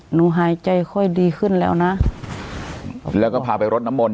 หนูหายใจค่อยดีขึ้นแล้วนะแล้วก็พาไปรดน้ำมนต